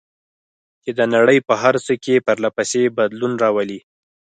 چې د نړۍ په هر څه کې پرله پسې بدلون راولي.